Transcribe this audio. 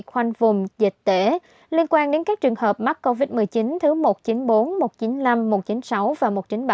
khoanh vùng dịch tễ liên quan đến các trường hợp mắc covid một mươi chín thứ một trăm chín mươi bốn một trăm chín mươi năm một trăm chín mươi sáu và một trăm chín mươi ba